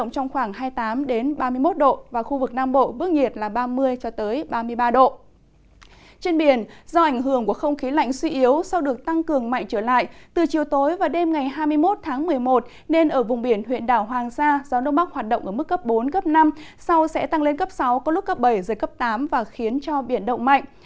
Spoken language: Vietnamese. trong chiều tối và đêm ngày hai mươi một tháng một mươi một nên ở vùng biển huyện đảo hoàng sa gió đông bắc hoạt động ở mức cấp bốn cấp năm sau sẽ tăng lên cấp sáu có lúc cấp bảy giờ cấp tám và khiến cho biển động mạnh